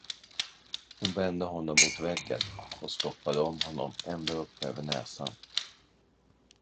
Hon vände honom mot väggen och stoppade om honom ända upp över näsan.